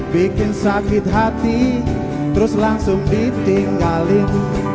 bikin sakit hati terus langsung ditinggalin